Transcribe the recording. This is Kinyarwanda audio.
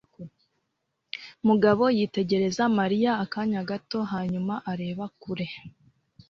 Mugabo yitegereza Mariya akanya gato hanyuma areba kure.